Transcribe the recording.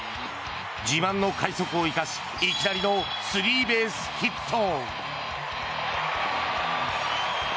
自慢の快足を生かしいきなりのスリーベースヒット。